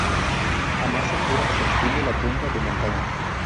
A más altura se extiende la tundra de montaña.